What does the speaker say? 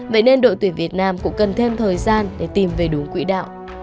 vậy nên đội tuyển việt nam cũng cần thêm thời gian để tìm về đủ quỹ đạo